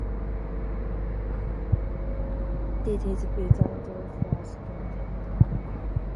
Dit is bijzonder frustrerend.